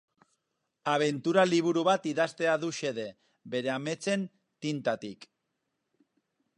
Abentura liburu bat idaztea du xede, bere ametsen tintatik.